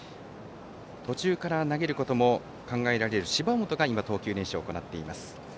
途中から投げることも考えられる芝本が投球練習を行っています。